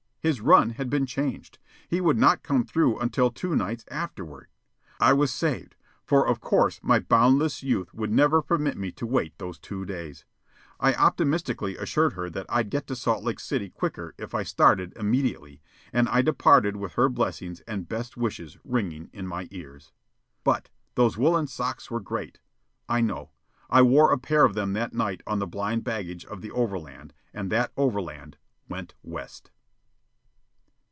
His run had been changed. He would not come through until two nights afterward. I was saved, for of course my boundless youth would never permit me to wait those two days. I optimistically assured her that I'd get to Salt Lake City quicker if I started immediately, and I departed with her blessings and best wishes ringing in my ears. But those woollen socks were great. I know. I wore a pair of them that night on the blind baggage of the overland, and that overland went west.